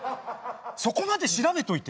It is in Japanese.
そこまで調べといて。